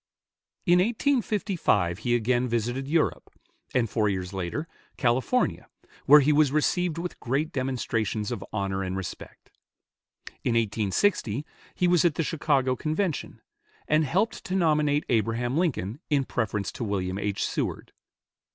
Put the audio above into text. In 1855 he again visited Europe; and four years later, California, where he was received with great demonstrations of honor and respect. In 1860 he was at the Chicago Convention, and helped to nominate Abraham Lincoln in preference to William H. Seward.